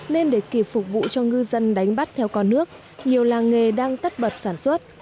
nên để kịp phục vụ cho ngư dân đánh bắt theo con nước nhiều làng nghề đang tất bật sản xuất